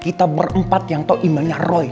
kita berempat yang tau imannya roy